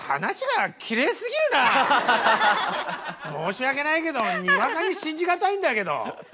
何かね申し訳ないけどにわかに信じがたいんだけど。